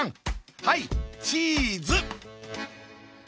はいチーズ！